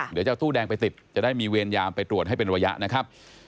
เดี๋ยวจะเอาตู้แดงไปติดจะได้มีเวรยามไปตรวจให้เป็นระยะนะครับ